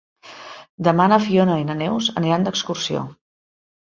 Demà na Fiona i na Neus aniran d'excursió.